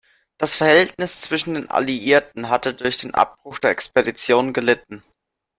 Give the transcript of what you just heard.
Das Verhältnis zwischen den Alliierten hatte durch den Abbruch der Expedition gelitten.